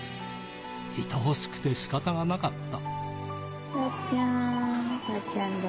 愛おしくて仕方がなかった。